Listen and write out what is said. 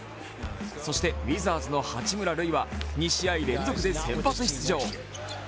そしてウィザーズの八村塁は２試合連続で先発出場。